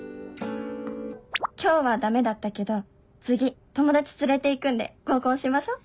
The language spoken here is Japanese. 「今日はダメだったけど次友達連れて行くんで合コンしましょ」。